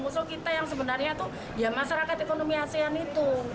musuh kita yang sebenarnya itu ya masyarakat ekonomi asean itu